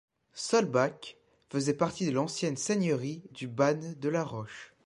Solbach faisait partie de l'ancienne seigneurie du Ban de la Roche.